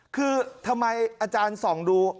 คือทำไมอาจารย์ส่องดู